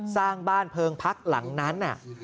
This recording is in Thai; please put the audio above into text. สร้างบ้านเพลิงพักหลังนั้น